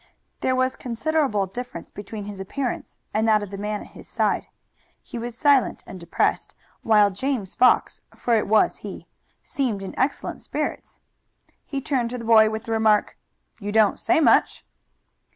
There was considerable difference between his appearance and that of the man at his side. He was silent and depressed, while James Fox, for it was he, seemed in excellent spirits. He turned to the boy with the remark: "You don't say much."